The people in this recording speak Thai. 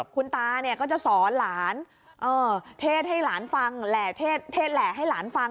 คุณตาก็จะสอนหลานเทศให้หลานฟังแหล่เทศแหล่ให้หลานฟัง